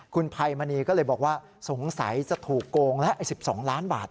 คุณภัยมณีก็เลยบอกว่าสงสัยจะถูกโกงแล้ว๑๒ล้านบาท